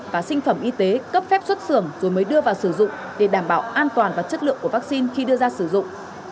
và sinh phẩm y tế cấp phép xuất xưởng rồi mới đưa vào sử dụng để đảm bảo an toàn và chất lượng của vaccine khi đưa ra sử dụng